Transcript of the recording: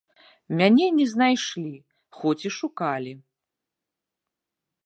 Мяне не знайшлі, хоць і шукалі.